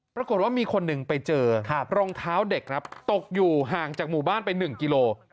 ปรากฏว่ามีคนหนึ่งไปเจอรองเท้าเด็กครับตกอยู่ห่างจากหมู่บ้านไป๑กิโล